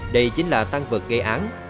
đây chính là tăng vật gây án